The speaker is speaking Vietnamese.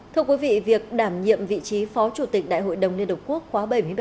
thưa quý vị việc đảm nhiệm vị trí phó chủ tịch đại hội đồng liên hợp quốc khóa bảy mươi bảy